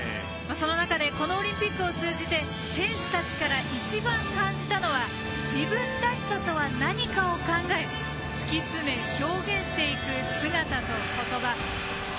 その中でこのオリンピックを通じて選手たちから一番、感じたのは自分らしさとは何かを考え突き詰め表現していく姿と、ことば。